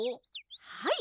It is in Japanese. はい！